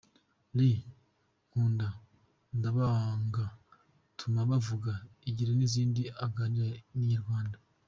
L, Nkunda, Ndabaga, Tuma bavuga, Igire n’izindi, aganira n’inyarwanda.